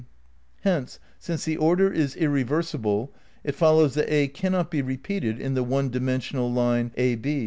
"Hence, since the order is irreversible it follows that A cannot be repeated in the one dimensional line ab."